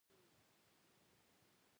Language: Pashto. د میوو ونې د راتلونکي نسل لپاره دي.